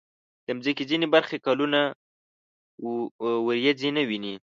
د مځکې ځینې برخې کلونه وریځې نه ویني.